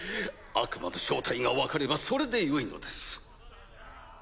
悪魔の正体が分かればそれでよいのです。